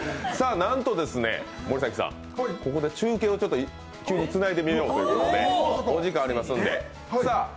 なんとここで中継を急につないでみようということでお時間ありますので。